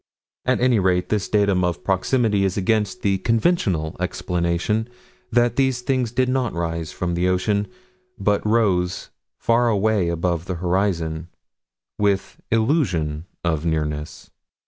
At any rate, this datum of proximity is against the conventional explanation that these things did not rise from the ocean, but rose far away above the horizon, with illusion of nearness.